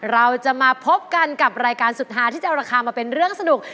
เราจะมาพบกันกับรายการสุดท้ายที่จะเอาราคามาเป็นเรื่องสนุก